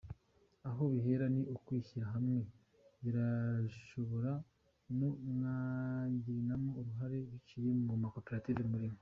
Aho bihera ni ukwishyira hamwe birashobora ko mwabigiramo uruhare biciye mu makoperative murimo”.